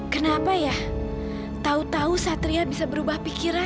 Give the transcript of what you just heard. kenapa ya tahu tahu satria bisa berubah pikiran